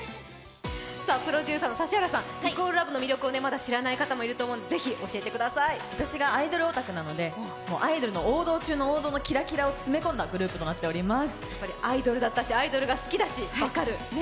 プロデューサーの指原さん、＝ＬＯＶＥの魅力をまだ知らない人もいると思うので私がアイドルオタクなので、アイドルの王道中の王道のキラキラを詰め込んだグループになっています。